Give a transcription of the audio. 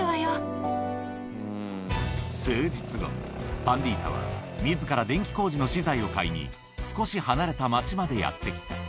数日後、パンディータは、みずから電気工事の資材を買いに、少し離れた町までやって来た。